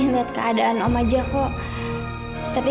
kita tetap berpura pura